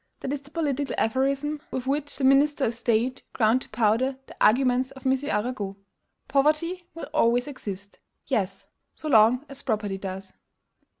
That is the political aphorism with which the minister of state ground to powder the arguments of M. Arago. POVERTY WILL ALWAYS EXIST! Yes, so long as property does.